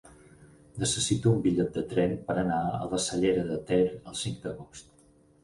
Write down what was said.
Necessito un bitllet de tren per anar a la Cellera de Ter el cinc d'agost.